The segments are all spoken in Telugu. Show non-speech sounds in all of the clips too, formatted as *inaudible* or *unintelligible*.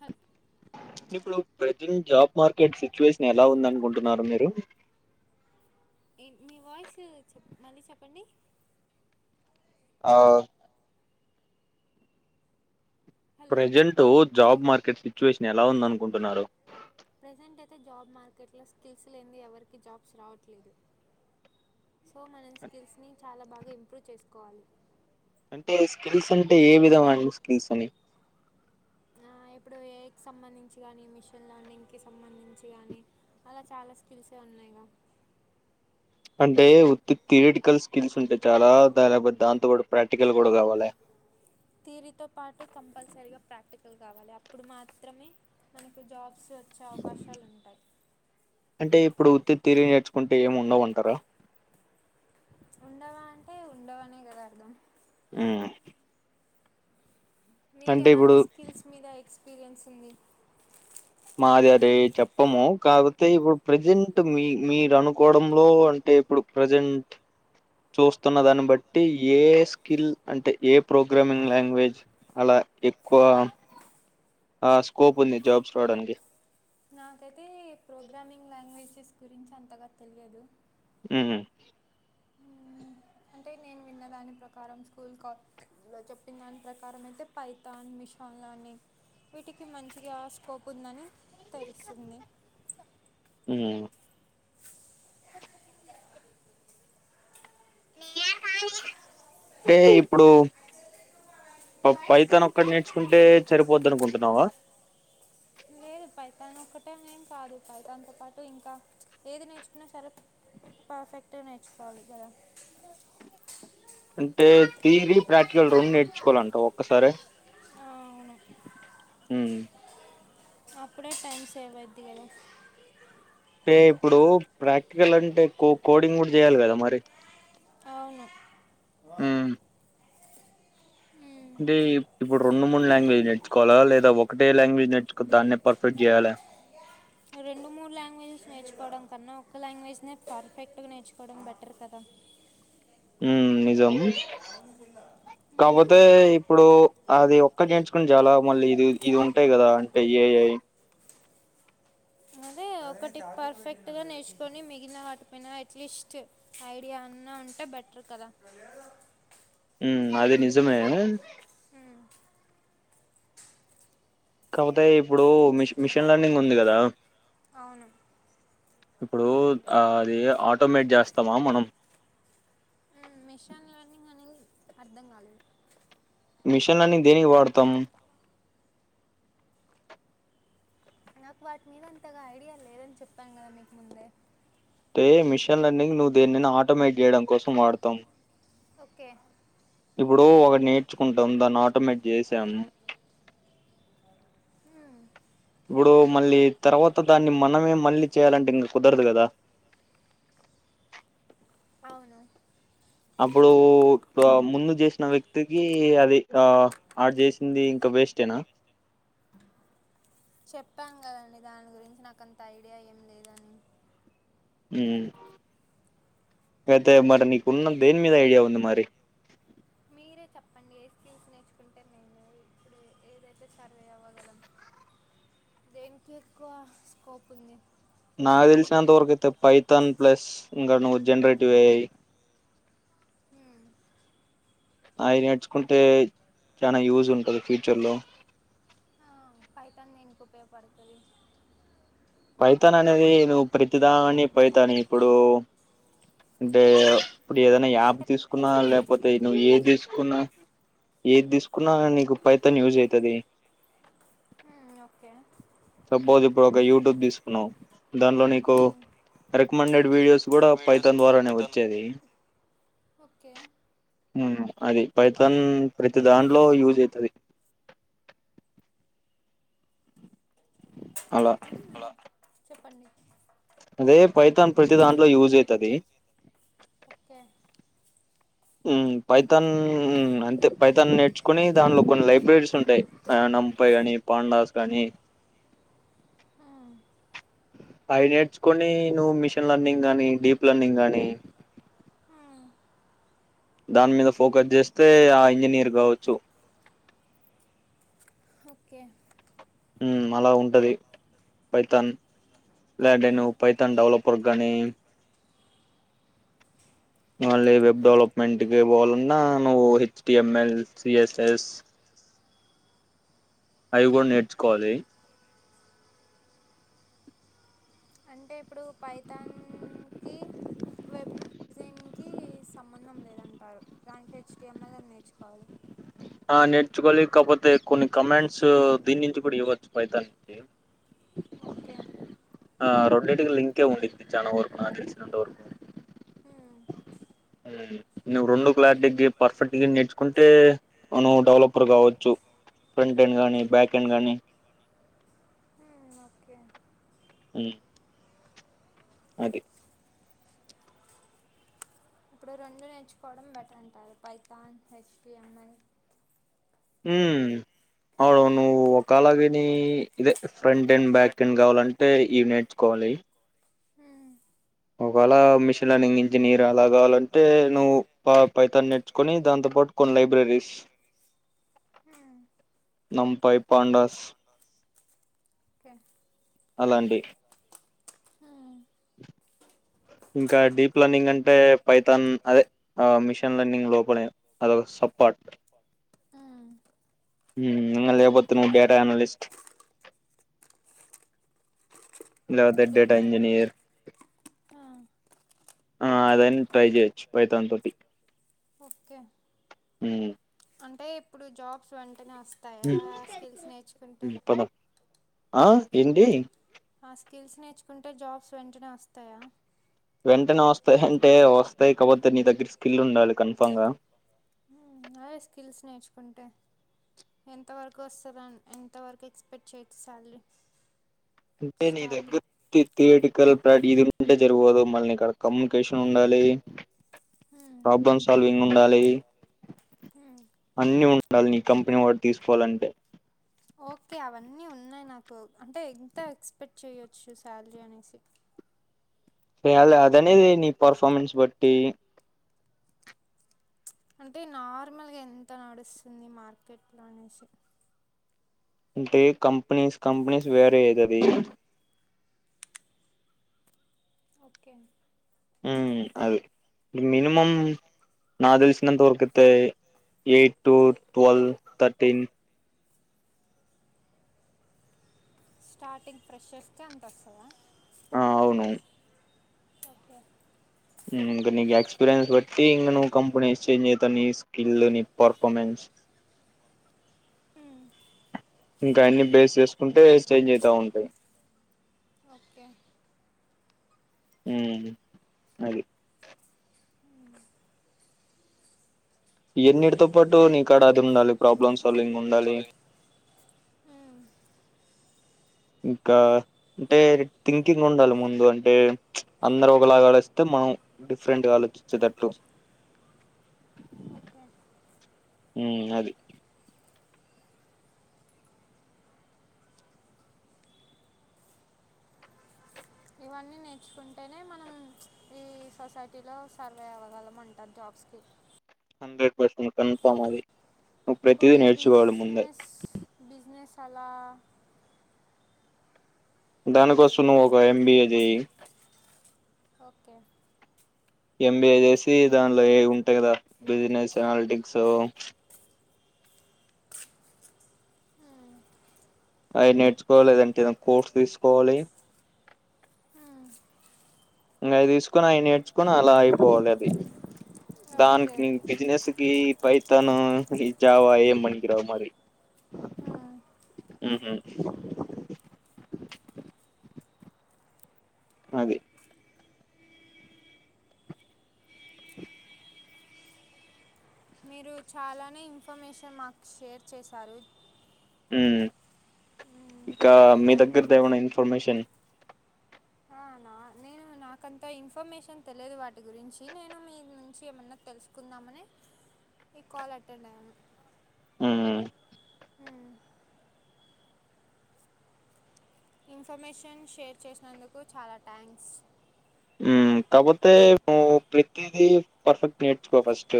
హ ఇప్పుడు ప్రజెంట్ జాబ్ మార్కెట్ సిచ్యువేషన్ ఎలా ఉంది అనుకుంటున్నారు మీరు మీ వాయిస్ చె మళ్ళీ చెప్పండి ఆ ప్రజెంట్ జాబ్ మార్కెట్ సిచ్యువేషన్ ఎల ఉంది అనుకుంటున్నారు ప్రజెంట్ అయితే జాబ్ మార్కెట్లో స్కిల్స్ లేంది ఎవరికి జాబ్స్ రావట్లేదు సో మనం స్కిల్స్ ని చాలా బాగా ఇంప్రూవ్ చేసుకోవాలి అంటే స్కిల్స్ అంటే ఏ విధం అయిన స్కిల్స్ అని ఆ ఇప్పుడు ఏకి సంబంధించి కానీ మిషన్ లర్నింగ్కి సంబంధించి కానీ అలా చాలా స్కిల్సే ఉన్నాయిగా అంటే ఉత్ థియేటికల్ స్కిల్స్ ఉంటే చాలా దాని లేకపోతే దాంతో కూడా ప్రాక్టికల్ కూడా కావాల థిరీతో పాటు కంపల్సరీగా ప్రాక్టికల్ కావాలి అప్పుడు మాత్రమే మనకు జాబ్ సెర్చ్ అవకాశాలుంటాయి ఇప్పుడు వుత్తి తీరి నేర్చుకుంటే ఏమి ఉండవుంటారా ఉండవా అంటే ఉండవానే కదా అర్ధం ఆ మీకు ఎలాంటి స్కిల్స్ మీద ఎక్స్పీరియన్స్ ఉంది మాది రే చెప్పము కాకపోతే ఇప్పుడు ప్రెజెంట్ మీ మీరు అనుకోవడంలో ఇప్పుడు ప్రజెంట్ చూస్తున్న దాన్ని బట్టి ఏ స్కిల్ అంటే ఏ ప్రోగ్రామింగ్ లాంగ్వేజ్ అలా ఎక్కువ ఆ స్కోప్ ఉంది జాబ్స్ రావడానికి నాకైతే ప్రోగ్రామింగ్ లాంగ్వేజెస్ గురించి అంతగా తెలియదు ఉ అంటే నేను విన్న దాని ప్రకారం స్కూల్ చెప్పిన దాని ప్రకారం అయితే పైతాన్ మిషాన్ లెర్నింగ్ వీటికి మంచిగా స్కోప్ ఉందని తెలుస్తుంది ఉ ఏ ఇప్పుడు పైథాన్ ఒక్కటి నేర్చుకుంటే సరిపోద్ద్ద అనుకుంటున్నావా లేదు పయతా ఒక్కటేనేం కాదు పై దాతో పాటు ఇంకా ఏది నేర్చుకున్నా సరే పర్ఫెక్ట్ నే నేర్చుకోవాలి కద అంటే థియరీ ప్రాక్టికల్ రెండు నేర్చుకోవాలంటవ్ ఒక్కసారే మ్ అప్పుడే టైం సేవ్ అయిద్ధి కదా అంటే ఇప్పుడు ప్రాక్టికల్ అంటే కో కోడింగ్ కూడా చేయాలి కదా మరి మ్ అంటే ఇప్పుడు రెండు మూడు లాంగ్వేజ్ నేర్చుకోవాలా లేదా ఒకటే లాంగ్వేజ్ నేర్చుకో దాన్నే పర్ఫెక్ట్ చేయ్యాలా రెం డు మూడు లాంగ్వేజెస్ నేర్చుకోవడం కన్నా ఒక్క లాంగ్వేజ్నే పర్ఫెక్ట్గా నేర్చుకోవడం బెటర్ కదా ఆ మ్ నిజం కాకపోతే ఇప్పుడు అది ఒక్క చేంచుకుని చాలా మళ్ళీ ఇది ఇది ఉంటాయి కదా అంటే ఇ ఏఐ ఒకటి పర్ఫెక్ట్ గా నేర్ుకొని మిగిలినా వాటుపోయినా అట్లీస్ట్ ఐడియా అన్నా ఉంటే బెట్ టర్ కద మ్ అది నిజమే మ్ కాపోతే ఇప్పుడు మిష్ మిషన్ లెర్నింగ్ ఉంది కదా అవును ఇప్పుడు అది ఆటోమేట్ చేస్తామా మనం హ్మ్ మిషాన్ లెర్నింగ్ అనేది అర్థం కాలేదు మిషన్ లేరింగ్ దేనికి వాడుతామ్ నాకు వాటి మీద అంతగా ఐడియా లేదని చెప్పాను కదా మీకు ముందే తే మిషన్లన్నీ నువ్వు దేన్నైనా ఆటోమేట్ చేయడం కోసం వాడుతాం ఓకే ఇప్పుడు ఒకటి నేర్చుకుంటాం దాన్ని ఆటోమేట్ చేసం ఇప్పుడు మళ్ళీ తర్వాత దాన్ని మనమే మళ్ళీ చేయ్యాలంటే ఇంగ కుదరదు కదా అవును అప్పుడు ముందు చేసిన వ్యక్తికి అది ఇక ఆడ్ చేసింది ఇంకా వేస్ట్ేనా *inaudible* చెప్పాను కదండి దాని గురించి నాకంత ఐడియా ఏం లేదని మ్ కైతే మరి నీకు ఉన్న దేని మీద ఐడియా ఉంది మరి మిరే చెప్పండి ఏ స్కిల్స్ నేర్చుకుంటే నేను ఇప్పుడు ఏదైతే సర్వే అవ్వగలం దేనికి ఎక్కువ స్కోప్ ఉంది నాగ్ తెలినంత వరకైతే పైథాన్ ప్లస్ ఇంగ నువ్వు జెనరేటివ్ ఎఐ అయి నేర్చుకుంటే చాలా యూజ్ ఉంటది ఫ్యూచర్ లో పైథాన్ దేనికి ఉపయోగపడుతది పైతాన్ అనేది నువ్ ప్రతిదాన్ని పైతానే ఇప్పుడు అంటే ఇప్పుడు ఏదైనా యాప్ తీసుకున్నా లేప్ పోతే నువ్వు ఏది తీసుకున్నా ఏది తీసుకున్నా నీకు పైతాన్ యూస్ అయితది హ్మ్ ఓకే సపోజ్ ఇప్పుడు ఒక యూట్యూబ్ తీసుకున్నావ్ దానిలో నీకు రికమెండెడ్ వీడియోస్ గూడా పైథాన్ ద్వారానే వచ్చేది ఓకే మ్ అది పైతన్ ప్రతి దాంట్లో యూజ్ అయితది అలా అలా చెప్పండి అదే పైథాన్ ప్రతి దాంట్లో యూజ్ అయితది ఓకే మ్ పైథాన్ మ్ అంతే పైథాన్ నేర్చుకుని దాంట్లో కొన్ని లైబ్రెరీస్ ఉంటాయ్ అ నంపై అని పాండాస్ గాని ఆ అవి నేర్చుకొని నువ్వు మిషన్ లర్నింగ్ గానీ డీప్ లర్నింగ్ గానీ దాని మీద ఫోకస్ చేస్తే ఆ ఇంజనీర్ కావచ్చు ఓకే హు అలా ఉంటది పైతన్ లేదంటే నువ్వు పైథాన్ డెవలపర్ గాని మళ్ళీ వెబ్ డెవలప్మెంట్ కి పోవలన్నా నువ్వు హెచ్టిఎంఎల్ సి ఎస్ ఎస్ అవి కూడా నేర్చుకోవాలి అంటే ఇప్పుడు పైతాన్ కి వెబ్ డిజైన్కి సంబంధం లేదంటారు దానికి హెచ్డిఎంఎల్ నేర్చుకోవాలి ఆ నేర్చుకోవాలి కాకపోతే కొన్ని కమెంట్స్ దీని నుంచి కూడా ఇవ్వచ్చు పైతానికి ఓకే అల్రాడి లింకే ఉండిద్ది చానా వరకు నాకు తెలిసినంత వరకు నువ్వు రెండు క్లారిటీ పర్ఫెక్ట్ గా నేర్చుకుంటే మనం డెవలపర్ కావచ్చు ఫ్రంట్ ఎండ్ గానీ బ్యాక్ ఎండ్ గానీ హ్మ్ ఓకే ఉ అది ఇప్పుడు రెండు నేర్చుకోవడం బెటర్ అంటారు పైతాన్ హెచ్టిఎంఐల్ హూ అవును నువ్వు ఒక అలాగేని ఇదే ఫ్రంట్ ఎండ్ బ్యాక్ ఎండ్ కావాలంటే ఇవి నేర్చుకోవా లీ ఒకవేళ మిషన్ లర్నింగ్ ఇంజనీర్ అలా కావాలంటే నువ్వు పైతాన్ని నేర్చుకొని దాంతో పోట్ కోన్ లైబ్రరీస్ నంపాయ్, పాండాస్ కే అలాంటి ఇంకా డీప్ లర్నింగ్ అంటే పైథాన్ అదే మిషన్ లర్నింగ్ లోపలే అదొ సప్పట్ హూ అదిపోతే నువ్వు డేటా అనాలిస్ట్ లేపోతే డేటా ఇంజినీర్ ఆ అదన్ని ట్రై చేయొచ్చు పైథాన్ తొటి ఓకే ఉ అంటే ఇప్పుడు జాబ్స్ వెంటనే వస్తాయా స్కిల్స్ నేర్చుకుంటే ఆ ఏంటి ఆ స్కిల్స్ నేర్చుకుంటే జాబ్స్ వెంటనే వస్తాయా వెంటనే వస్తాయి అంటే వస్తాయి కాపోతే నీ దగ్గర స్కిల్ ఉండాలి కన్ఫామ్ గా అదే స్కిల్స్ నేర్చుకుంటే ఎంత వరకు వస్తాదన్ ఎంతవరకు ఎక్స్పెక్ట్ చెయచ్చు శాలరీ *unintelligible* తీయటికల్ రడి ఇది ఉంటే జరగవు కద మళ్లీ నీకాడ కమ్యూనికేషన్ ఉండాలి ప్రాబ్లమ్ సాల్వింగ్ ఉండాలి అన్ని ఉ డాలి నీ కంపెనీ వాడ్ తీసుకోవాలంటే ఓకే అవన్నీ ఉన్నాయి నాకు అంటే ఎంత ఎక్స్పెక్ట్ చేయొచ్చు సాలరీ అనేసి యాలె అదని నీ పర్ఫార్మెన్స్ బట్టి అంటే నార్మల్గా ఎంత నడుస్తుంది మార్కెట్లో అనేసి అంటే కంపెనీస్, కంపెనీస్ వేరే అయితది. ఓకే మ్ అది. మినిమం నాకు తెలిసినంతవరకు అయితే, eight to twelve thirteen starting ఫ్రెషస్కే అంతొస్తదా? ఆ అవును. ఇంక నీకి ఎక్స్పీరియన్స్ బట్టి, ఇంగ నువ్వు కంపెనీస్ చేంజ్ అయిత, నీ స్కిల్, నీ పర్ఫార్మెన్స్, *inaudible* ఇంక అన్ని బేస్ చేసుకుంటే చేంజ్ అయితా ఉంటాయి. ఒకే మ్ అది ఇయన్నిటితో పాటు నీకాడ అది ఉండాలి. ప్రాబ్లమ్ సాల్వింగ్ ఉండాలి. ఇంకా అంటే థింకింగ్ ఉండాలి ముందు. అంటే, అందరు ఒకలాగా ఆలోచిస్తే మ నం డిఫరెంట్ గా ఆలోచిచ్చేటట్టు. మ్ అది. ఇవన్నీ నేర్చుకుంటేనే మనం, ఈ సొసైటీలో సర్వే అవ్వగలం అంటారు. జాబ్, స్కి హండ్రెడ్ పర్సెంట్ కన్ఫర్మ్ అది. పోని బిజినెస్, బిజినెస్ అలా, దానికోసం నువ్వొక ఎంబిఏ చెయి. ఓకే. ఎంబిఏ చేసి దానిలో ఏ ఉంటాయి కదా, బిజినెస్ అనాలిటిక్స్ అవి నేర్చుకో లేదంటే ఏదన్న కోర్స్ తీసుకోవాలి. ఇంగ అవి తీసుకొని ఆయి నేర్చుకొని అలా అయిపోవాలి అది. దానికి ఇంగ బిజినెస్ కి పైతాను ఈ జావా ఏం పనికిరావు మరి. మ్ హు అది మీరు చాలానే ఇన్ఫర్మేషన్ మాకు షేర్ చేశారు. మ్మ్ ఇంకా మీ దగ్గరిది ఏమైనా ఇన్ఫర్మేషన్ నా నేను నాకంత ఇన్ఫర్మేషన్ తెలియదు వాటి గురించి. నేను మీ నుంచి ఏమన్నా తెలుసుకుందామనే ఈ కాల్ అటెండ్ అయ్యాను. మ్మ్ ఇన్ఫర్మేషన్ షేర్ చేసినందుకు చాలా థ్యాంక్స్. మ్ కాకపోతే నువ్ ప్రతీది పర్ఫెక్ట్ నేర్చుకో ఫస్ట్.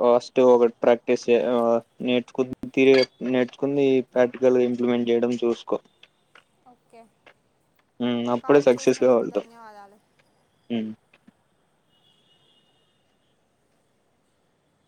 ఫస్ట్ ఒకటి ప్రాక్టీస్ చే, ఆ నేర్చుకుంది తిరిగి నేర్చుకుంది ఈ ప్రాక్టికల్ గ ఇంప్లిమెంట్, చేయడం చూసుకో. ఓకే మ్. అప్పుడే సక్సెస్గా వెళ్తాం. మ్